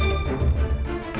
aku akan mencari cherry